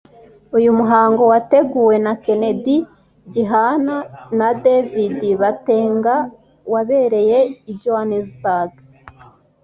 uyu muhango wateguwe na Kennedy Gihana na David Batenga wabereye i Johannesburg